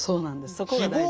そこが大事。